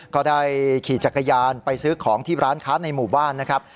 ก็ได้ขี่จักรยานไปซื้อของที่ร้านค้าในหมู่บ้านนะครับ